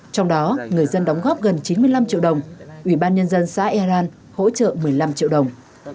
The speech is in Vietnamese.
trong đó người dân đóng góp gần chín mươi năm triệu đồng ủy ban nhân dân xã ean hỗ trợ một mươi năm triệu đồng